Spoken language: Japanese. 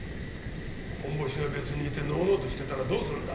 ホンボシが別にいてのうのうとしてたらどうするんだ！